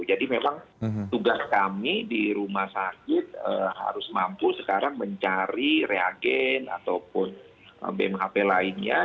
jadi memang tugas kami di rumah sakit harus mampu sekarang mencari reagen ataupun bmhp lainnya